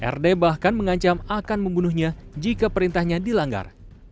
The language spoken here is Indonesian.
rd bahkan mengancam akan membunuhnya jika perintahnya dilanggar